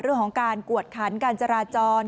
เรื่องของการกวดขันการจราจร